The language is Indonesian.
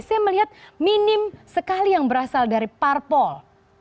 saya melihat minim sekali yang berasal dari parpol